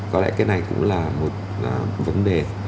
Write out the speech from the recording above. có lẽ cái này cũng là một vấn đề